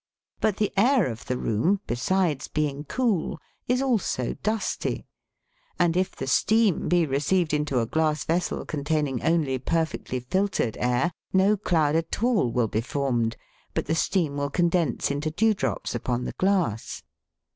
But the air of the room, besides being cool, is also dusty ; and if the steam be received into a glass vessel containing only per fectly filtered air, no cloud at all will be formed, but the steam will condense into dewdrops upon the glass.